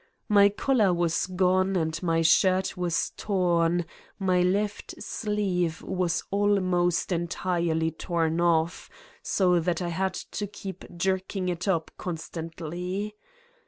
My collar was gone and my shirt was torn, my left sleeve was almost entirely torn off, so that I had to keep jerking it up constantly.